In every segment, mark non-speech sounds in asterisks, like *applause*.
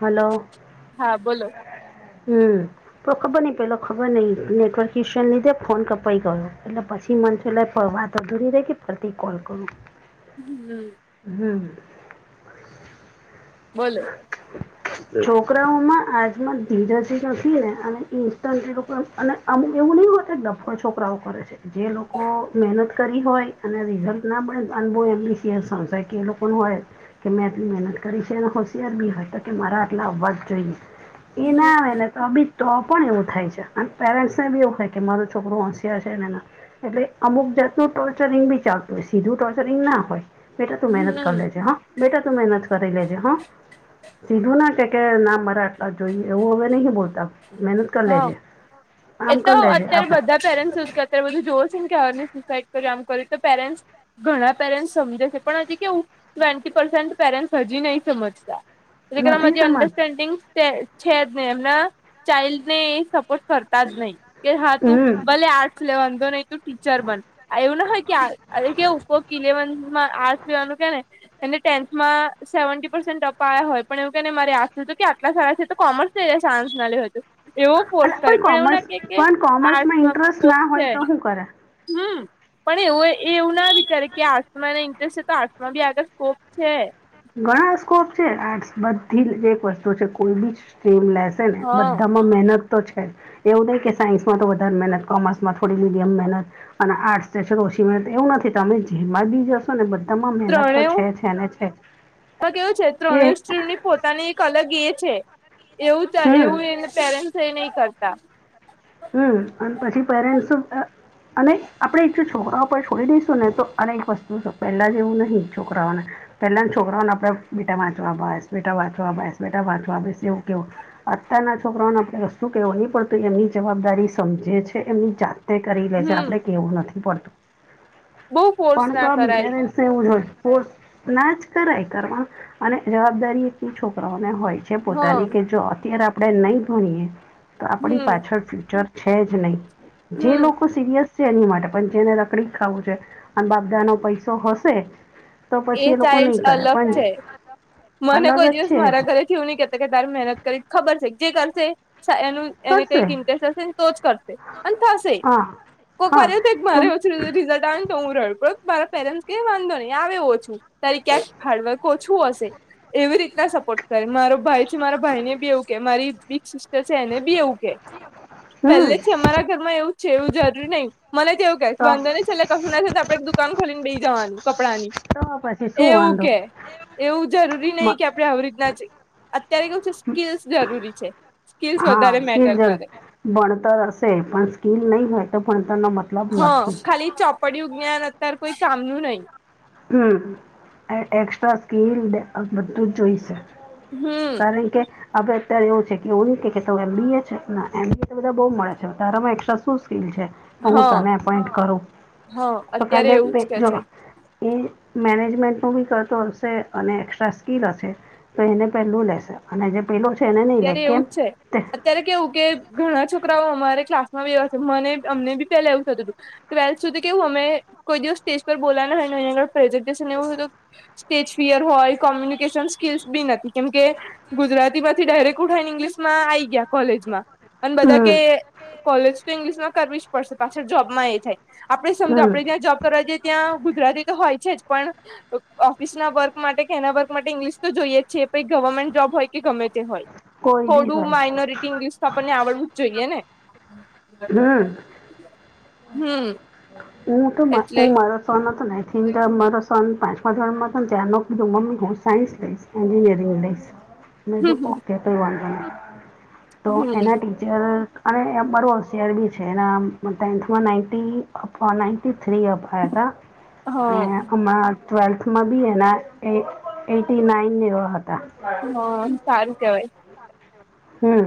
Hello હા બોલો હમ્મ તો ખબર નહં પેલો ખબર નહિ, નેટવર્ક શને લીધે ફોન કપાઈ ગયો એટલે પછી મનસો લ ફરવા દૂર રહેખી પ્રતિ કલ કરુ હમ્મ હમ્મ બોલો *unintelligible* છોકરાઓમાં આજમાં ધીજાજી નથી, ને અને ઇન્સ્ટન્ટલી અને અમુ એવું નહં હો ડફ છોકરાઓ કરે છે. જે લોકો મહેનત કરી હોય અને રિઝલ્ટ ના મળે અન બહુ એમ્બિશિયસ સંશે કે એ લોકોને હોય. કે મેં એટલી મહેનત કરી છેને ખુશ કે મારા આટલા આવવાજ જોઈએ એ હમ ના આવે ને તો બી તો પણ એવું થાય છે અને પેરેન્ટ્સ ને બી એવું થાય કે મારું છોકરું હસિયા છેને. એટલે અમુક જાતનુ ટોર્ચરિંગ બી ચાલતું હોય સીધું ટોર્ચરિંગ ના હોય. બેટા તું મહેનત હમ કરી લેજે હા બેટા તું મહેનત કરી લેજે હા સીધું ના કે કે ના મરાટલા જોઈએ, એવું હવે નહી બોલતા મે હા એ તો અત્યારે બધા આપણે પેરેન્ટ્સ કર ત્યાર બધ જો કેને સુસાઈડ કર આમ કર્યુ તો પેરેન્ટ્સ ઘણા પેરેન્ટ સમજે છે પણ હજી કેવું ટ્વેન્ટી પસે પેરેન્ટસ હજી નહી સમજતા એટલે કે મ નથી સમાન અન્ડરસ્ટેન્ડિંગ છે જ નહી એમના ચાઇલ્ડ ને એ સપોર્ટ કરતા જ નહી, કે હા તું હમ ભલે આર્ટસ લેવાો નહી તું ટીચર બન એવું ના હોય કે કે ઉપર કિલે મંદ માં આર્સ પીવાનું કે ને એને ટેન્થમાં સેવન્ટી પસેન્ટ અપા્યા હોય પણ એવું કેને મારે આુંધું કે આટલા સારા છે, તો કોમર્સ સાન્સ ના લ્યું હતુ. એવો ફોર્સ અલા કરે પણ એવું કોમર્સ ના કે કે પણ કોમર્સમાં આર્ટસમાં ઇન્ટરેસ્ટ સ્કોપ ના હોય છે. તો શું કરે હમ્મ પણ એવું એવું ના વિચારે કે આર્ટ્સમાં એને ઇન્ટરેસ્ટ છે તો આર્ટ્સમાં બી આગળ સ્કોપ છે. ઘણા સ્કોપ છે આર્ટસ બધી એક વસ્તુ છે કોઈ બી સ્ટ્રીમ લેસ ને હા બધામાં મહેનત તો છે જ એવું નહીં કે સાયન્સમાં તો વધારે મહેનત કોમર્સમાં થોડી મીડિયમ મહેનત અને આઠ સ્ટેશ ઓશી મિનટ એવું નથી. તમે જે બા બી જશો ને બધામાં મહેનત તો છે છે અને છે જ. તો કેવું છે ત્રણેય સત્રીની પોતાની એક અલગ એ છે એવું હમ એવું એ પેરેન્ટસ એ નહી કરતા. હમ અને પછી પેરેન્ટસ અને આપણે એકું છોકરાઓ પર છોડી દઈશું ને તો અનેક વસ્તુ છે પહેલાં જેવું નહીં છોકરાઓને પહેલાને છોકરાઓને આપણે બેટા વાંચવા ભ એસ બેટા વાંચવા ભા એસ બેટા વાંચવા બે એવું કેવો અત્યારના છોકરાઓનેડણે કશું કેવું નહીં પડતું એમની. જવાબદારી સમજે છે એમની જાતે કરી લે છે હમ આપણે કેવું નથી પડતું. બહુ ફોર્સ કણકબ ના કરાય પ ર વું ના જ કરાય કરવા અને જવાબદારી એટલી છોકરાઓને હોય. હા પોતાની કે જો અત્યારે આપણે નહીં ભણીએ તો આપણી હમ પાછળ ફ્યુચર છે જ નહી જે હમ લોકો સિરિયસ છે એની માટે પણ જેને રકડી ખાવું છે અને બાપદા નો પૈસો હશે તો એ પછી લોકો ચાઇલ્ડસ નહીં કરે અલગ પણ છે. મને અલગ કોઈ જ દિવસ છે એ મારા તો ઘરેથી એવું નહી કેતા કે તારે મહેનત કરી ખબર છે જે કરશે એનું એને કરશે કંઈક ઇન્ટરેસ્ટ હશે ને તો જ કરશે અને થશે હા કોક હા વાર તો મારે રિઝલ્ટ આવેને તો હું રડ મારા પેરેન્ટસ કેય વાંધો નહી આવે ઓછું. ત્યારે ક્યાંક ફાડવકો ઓછું હશે એવી રીતના સપોર્ટ કરે મારો ભાઈ છે મારા ભાઈ ને બી એવું કે મારી એને બી એવું કે પહેલે હમ છે અમારા ઘરમાં એવું છે એવું જરૂરી નહીં. મને તોવું તો વાંધો નહી છેલ્લે કશું ના તો આપે એક દુકાન ખોલી ને બેઈ જવાનું કપડાંની. તો પછી શું એવું વાંધો કે એવું. જરૂરી નહી મ કે આપે આવી રીતના જ અત્યારે કેવું છે સ્કીલસ જરૂરી છે. સ્સ વધારે હા સ્કીલ મેટર જ કરે. ભણતર હશે પણ સ્કીિલ નહીં હોય તો ભણતરના મત હ ખાલી ચોપડીુંજ્ઞાન અત્ય્યારે કોઈ કામનું નહી. હમ એક્સ્ટ્રા સ્કીલ બધું જ જોઈશે. હમ કારણ કે હવે અત્યારે એવું છે કે એવું ન એમ બીએ છે એમ બી તો બધા બહ મળે છે તારામાં એક્રા શું સ્કીલ છે. તો હું હા તને એપોઈન્ટ કરું હા અત્યારે એવું જ કે છે તો એ મેનેજમેન્ટનું બી કરતો હશે અને એક્સ્ટ્રા સ્કીિલ હશે. તો એને પેલું લેશે અને જે પેલું છે એને નહી લે કેમ ત્યારે કેવું કે ઘણા છોકરાઓ અમારે ક્લાસમાં બવા છે મને અમને બી પેલાવું થતું હતું. ટ્વેલ્થ સુધી કેવું અમે કોઈ દિવસ સ્ટેજ પર બોલા અહીં આગળજિવનેધ સ્ટેજ ફિયર હોય કોમ્યુનિકેશન સ્કીલ્સ બી નથી કેમ કે ગુજરાતી થી ડાયરેક્ટ ઉઠાને ઇંગ્લિશમાં આ આવી ગયા કોલેજમાં અને બધા હમ કે કોલેજ તો ઇંગ્લિશ માં કરવી જ પડશે પાછળ જોબમાં એ થાય આપણેે સમજ હમ. આપણે ત્યાં જોબ તો જે ત્યાં ગુજરાતી તો હોય છે જ પણ ઓફિસ ના વર્ક માટે કે એના વર્ક માટે ઇંગ્લિશ તો જોઈએ જ છેીએ પ ગવર્મેન્ટ જોબ હોય કે ગમે કોઈ બી થોડું હોય માનોરિટીંગ આપણને આવડવું જ જોઈએ ને હમ હમ. હું તો મા એટલે માર. સોનો તો ના થિંક મારો સોન પાંચ પાંચ વારમાં હતો ત્યાં નો કીુંમ્મી હું સાયન્સ લઈશ એન્જિનિયરિંગ લઈશ. હ. મેધું હમ ઓકે કઈ વાંધો નહી તો એના હમ ટીચર અને બરો ર બી છે એના ટેન્થમાં નાન્ટી નાન્ટી થ્રી અપાયા હા હતા. *unintelligible* ટ્વેલ્થમાં બી એના એ એટી નાઈન એવા હતા. *inaudible* હા સારું કેવાય હમ્મ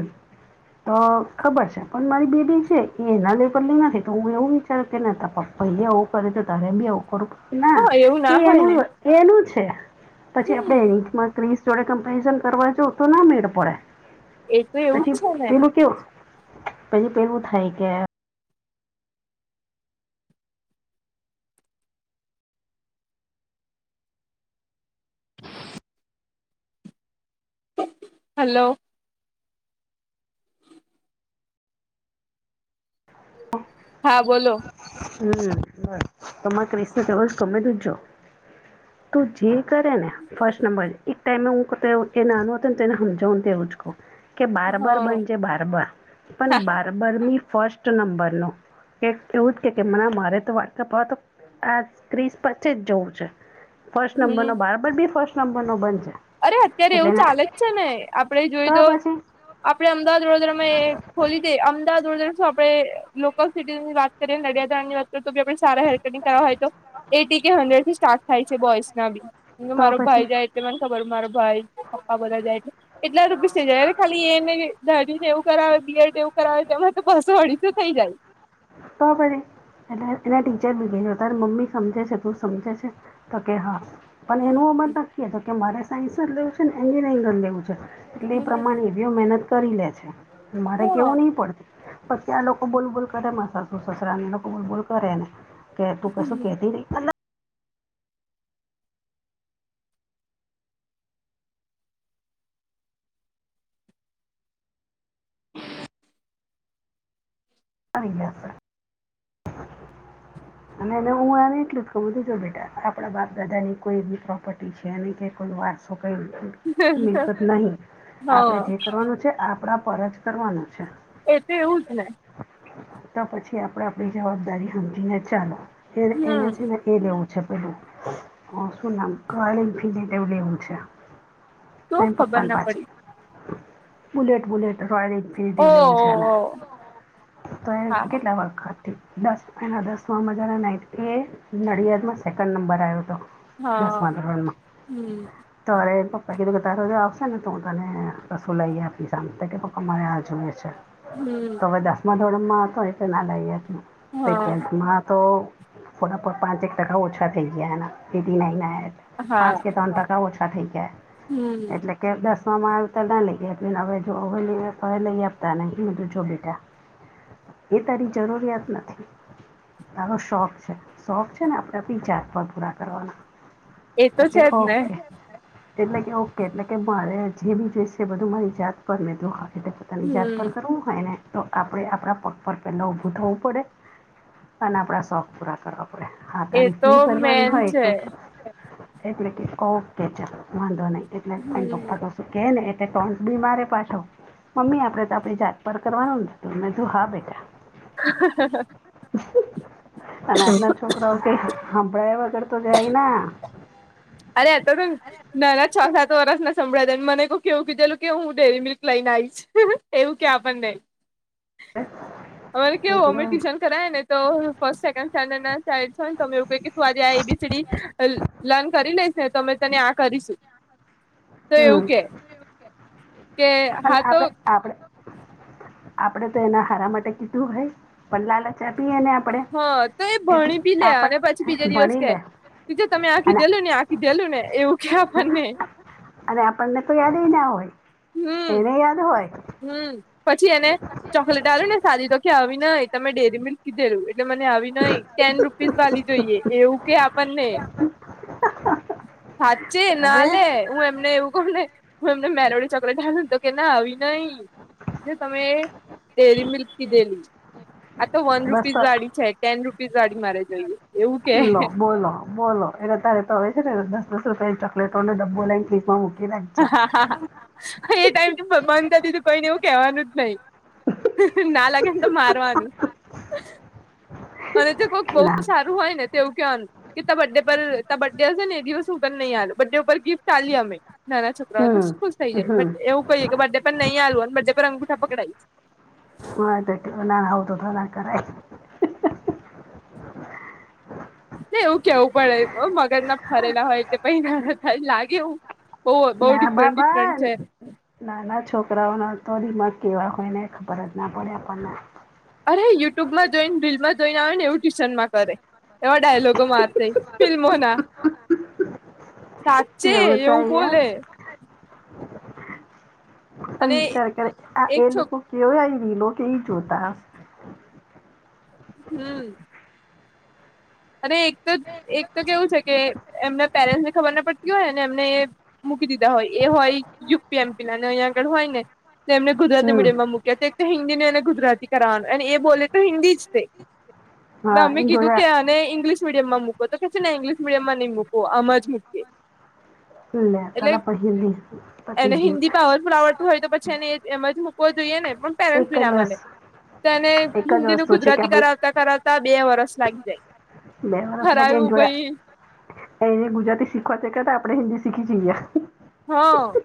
તો ખબર છે પણ મારી બે બી છે એ *unintelligible* નથી તો હું એવું વિચારું કે ન તા પપ્પા એ એવું કરે તો તારે બી એવું કરું ના હા એવું ના એ હોય એનું ને એનું છે પછી આપડે હમ *unintelligible* જોડે કમ્પેરિઝન કરવા જોવ તો ના મેડ એ તો પડે એવું પછી જ છે ને પેલું કેવું કેવું થાય કે હલો *inaudible* હા બોલો હમ *unintelligible* તું જે કરે ને ફર્સ્ટ નંબર એજ ટાઈમે હું કતે એ નાનો હતોને તેને સમજાવને તેવું જકો કે બારબર હા બનજે બારબર પણ હા બાર બર મી ફસ્ટ નંબર નો કે એવું જ કે મારે તો વાળ કપાવા તો આ ક્રીસ પછી જ જવું છે. ફર્સ્ટ નંબર નો હમ બારબર બી ફર્સ્ટ નંબર નો બન છે. અરે અત્યારે એવું ચાલે જ છે ને આપડે જોય તો આપડે અમદાવાદ વડોદરામાં એ ખોલી દે અમદાવાદ વડોદરા શું આપડે લોકલ સીટીની વાત કરીએ નડિયાદાણની વસ્તુ તો પણ સારા હેરકટિંગ કરવા હોય તો એટી કે હન્ડ્રેડ થી સ્ટાર્ટ થાય છે બોઇસ ના બી તો મારો પછી ભાઈ જાય એટલે મને ખબર મારો ભાઈ પપ્પા બધા જાય છે. એટલા રૂપીસ થઈ જાય રે ખાલી એને દાઢી ને એવું કરાવે બિયડ એવું કરાવે એમાં તો બસો અઢીસો થઈ જાય. તો વળી એટલે એના ટીચર બી કેય તારે મમ્મી સમજે છે તું સમજે છે તો કે હા પણ એનું અ મત નાખીએ તો કે મારે સાયન્સ જ લેવું છે ને એન્જિનિયરિંગ જ લેવું છે એટલે એ પ્રમાણે મહેનત કરી લે છે મારે કેવું નહી પડતું પણ ત્યાં લોકો બોલ બોલ બધા મા સાસુ સસરાને એ લોકો બોલબોલ કરે ને કે તું કશું કેતી નઈ *inaudible* *unintelligible* અને એ હું એને એટલું જ ખબુંર જો બેટા આપણા બાપ દાદા ની કોઈ બી પ્રોપર્ટી છે અને કે કોઈ વાર સો કઈ મિલકત નહી આપણે હા જે કરવાનું છે આપણા પર જ કરવાનું છે. એ તો એવું જ ને. તો પછી આપડે આપડી જવાબદારી સમજીને ચાલો એ એને હમ છેને એ લેવુ છે પેલુ હ શું નામ ઘર *unintelligible* લેવું છે. તો શું એન ખબર પપ્પાને ના પાછું પડી બુલેટ બુલેટ રોયલ એનફિલ્વ ઓ લેવું છે એને તો એ હા કેટલા વખત દસ એના દસમાં મજાના નાઈટી એટ નડિયાદમાં સેકન્ડ નંબર આયો હતો. હા દશમાં ધોરણમાં હમ તોરે પપ્પા કીધું કે તારોજ આવશે ને તો હું તને કશું લઈ આપી સાંભ કે પપા મારે આ જુએ છે. હમ્મ. તો હવે દસમા ધોરણમાં હતો એટલે ના લઈ આપ્યું હા ટ્વેલ્થમાં તો થોડા *unintelligible* પાંચેક ટકા ઓછા થઈ ગયા એના એટી નાઇન આયા હા પાચ કે ત્રણ ટકા ઓછા થઈ ગ્યા હમ એટલે કે દસવામાં *unintelligible* હવે જો હવેલી તોવે લઈ આપતા નહીં મે કીધું જો બેટા એ તારી જરૂરિયાત નથી. તારો શોખ છે શોખ છે ને આપણે આપણી જાત પર પૂરા કરવાના. એ તો તા કે છે જ ને ઓકે. એટલે કે ઓકે એટલે કે મારે જે બી જોઈશે બધું મારી જાત પર મેં *unintelligible* તની જાત હમ પર કરવું હોય ને તો આપણે આપણા પગ પર પહેલાં ઊભું થવું પડે- - અને આપડા શોખ પૂરા કરવા પડે હા એ તારી તો ફી ભરવાની મેન હોય છે તો એટલે કે ઓકે ચાલ વાંધો નહી એટલે હમ પપ્પા ત કે ને એલે ટોસ બી મારે પાછો મમ્મી આપણે તો આપણી જાત પાર કરવાનું ન હતું મેને તો હા બેટા. હ. અને આજના છોકરાઓ ક સાંભળ વગર તો જાય ના અરે એતો ત ના ના છ સાત વર્ષ ના સંભળેને મને કેવું કીધેલું કે હું ડેરી મિલ્ક લઈને આવીશ એવું કે આપ નહી અમારે કેવું એટલે અમે ટુશન કર ને તો ફ સેકન્ડ સ્ટન્ નાોને ત એવું ક તું આજ એબીસીડી લ કરી લઈશ ને તો અમે તને આ કરીશું તો એવું હમ કે કે અને હા તો આપડ આપડ આપડે તો એના હારા માટે કીધું હોય. પણ લાલચ આપીએ ને આપડે હા તો એ એટ ભણી આપ ભણી લે તીજે તમે આખી અને દેલું ને આખી દેલું ને એવું ક આપણને અરે આપણને તો યાદ ના હોય. હમ એને યાદ હોય હમ પછી એને ચોકલેટ આવ્યું ને સાદી તો કે આવી નહી તમે ડેરી મિલ્ક કીધેલું એટલે મને આવી નઈ ઓીસ વાલી જોઈએ એવું કે આપણને સાા છે ના અરે લે હું એમને એવું કમ ને હુ, એમને મેરોડી ચોકલેટ તો કે ના આવીનેઞ નહી જે તમે ડેરી મિલ્ક કી દેલી આ તો વન બસ રૂપીસ તો વાળડી છે ટેન રૂપીસ વાડી મારે જોઈએ. એવું કે લો બોલો બોલો એને અતારે તો છેને દસ દસ રૂપિયાની ચોકલેટો નો ડબ્બો લઈન નીકળુ હા હા એ ટાઈમ તો બંધ કર તું કોઈને એવું કેવાનું જ નહી ના લાગેન તો મારવાનુ અને તે કોઈક બહુ ના સારું હોય ને તો એવું કેવાનુ કે તા બડ્ડે પર તા બ્ડે હશે ને એ દિવસ હું તન નઈ આલુ બડે ઉપર ગિફ્ટ આલિયે અમે નાના છોકરાઓ તો હમ સ્કૂ થઈ જાય હમ બટ એવું કહીએ કે બર્ડે પર નહી આલુ અને બર્ડે પર અંગૂઠા પકડાઈ માર બેટી નો ના આવું તો ઘણા કરાઈ એવું કેવું પડે તો મગજ ના ફરેલા હોય એલે પઇ લાગે એવુ બહ બહુ ના ડિફરન્ટ બાપા ડિફરન્ટ છે. નાના છોકરાઓના તો ડીમાગ કેવા હોય ને ખબર જ ના પડે આપણ ને અરે યુટ્યુબમાં જોઈન રીલમાં જોઈન આવે ને એવું ટ્યુશનમાં કરે એ ડાયલોગો મારશે ફિલ્મો ના એવું થાય હે પણ અને વિચાર કરે આ એક એ છોક લોકો કેવી આ રીલો કેવી જોતા હશે. હમ્મ અને એક તો હશે એક તો કેવું છે કે એમના પેરેન્ટસ ને ખબર ના પડતી હોય ને એમને એ મૂકી દીધા હોય એ હોય યુ. પી એમ. પી ને અહીં આગળ હોય ને તો એમને ગુજરાતી હમ મિડિયમ મૂક્યા તો એક તો હિન્દી ને એને ગુજરાતી કરાવવાનું અને એ બોલે તો હિન્દી જ તે તો હા અમે એ કીધું કે જોયા આને ઈંગ્લિશ મિડીયમમાં મૂકો તો કે છે ને ઇંગ્લિશ મીડયમ નઈ મૂકો આમ જ મૂકીએ લે તો તો પછી પતી ગ્યુ હર્ષ રાવત શીખું હોય તો પછી એને એ એમ જ મૂકવો જોઈએ ને પણ પેરેન્ટસ એક જ બી ના વસ માને તો એને એક જ હિન્દીનું વસ્તુ છે કે ગુજરાતી આપણે કરાવતા કરાવતા બે વરસ લાગી જાય. બે વરસ લાગ એ હરાયું જોડે ભાઈ એને ગુજરાતી શીખવાથી કે આપણે હિન્દી શીખી જઈએ. હ અ..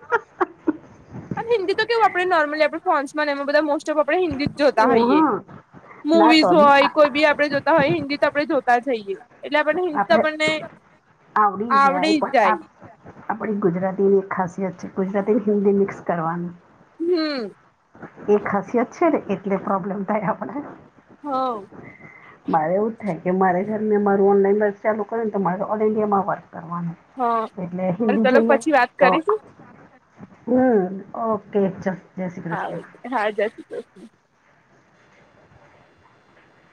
હિન્દી તો કેવું આપણે નોર્મલી આપણે ફોન્સમાં ને એમાં બધા મોસ્ટ ઓફ આપણે હિન્દી જોતા હોઈએ. ના મુવીઝ તો બી હોય આ- કોઈ બી આપડણે જોતા હોય હિન્દી તો આપડે જોતા જ હૈયે. એટલે આપણને હિંસા આપણે આપણને જાય આવડી પણ જાઈ. આપ- આપણી ગુજરાતી ની એક ખાસીયત છે. ગુજરાતી હિન્દી મિક્સ કરવાનું. હમમ! એ ખાસીયત છે ને એટલે પ્રોબ્લેમ થાય આપડે. હોં! મારે એવું જ થાય કે મારે જયને મારું ઓનલાઈન વર્ક ચાલુ કરે ને તો મારે ઓલ ઇન્ડિયામાં વર્ક કરવાનું. એટલે હ હિન્દી પેલો જોઈએ પછી વાત તો કરીશું હ ઓકે જય શ્રી હા કૃષ્ણ હા જ શી કૃષ્ણ